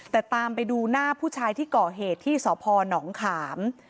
แต่ตามไปดูหน้าผู้ชายที่ก่อเหตุที่สพนขาม